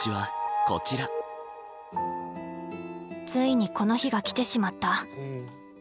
ついにこの日が来てしまった。